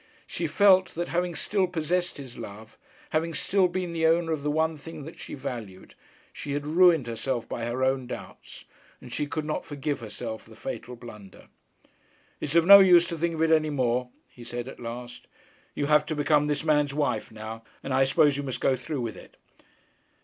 She felt that having still possessed his love, having still been the owner of the one thing that she valued, she had ruined herself by her own doubts; and she could not forgive herself the fatal blunder. 'It is of no use to think of it any more,' he said at last. 'You have to become this man's wife now, and I suppose you must go through with it.'